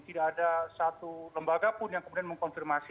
tidak ada satu lembaga pun yang kemudian mengkonfirmasi